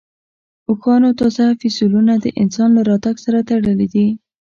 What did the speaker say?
اوښانو تازه فسیلونه د انسان له راتګ سره تړلي دي.